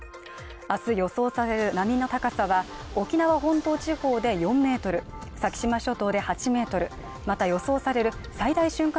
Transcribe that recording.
あす予想される波の高さは、沖縄本島地方で４メートル先島諸島で８メートルまた予想される最大瞬間